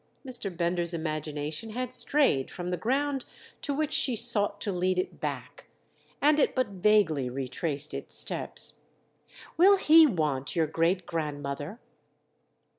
Mr. Bender's imagination had strayed from the ground to which she sought to lead it back, and it but vaguely retraced its steps. "Will he want your great grandmother?"